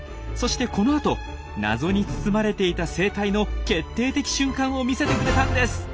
そしてこのあと謎に包まれていた生態の決定的瞬間を見せてくれたんです。